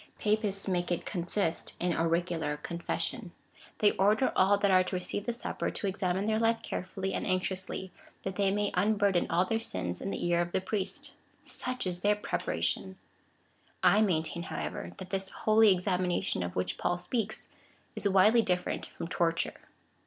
Papists make it consist in auricular confession. They order all that are to receive the Supper, to examine their life carefully and anxiously, that they may unburthen all their sins in the ear of the priest. Such is theiy^ preparation !^ I maintain, however, that this holy examination of Avliich Paul speaks, is widely different from torture.